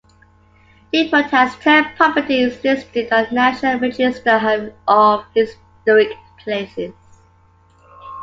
Newport has ten properties listed on the National Register of Historic Places.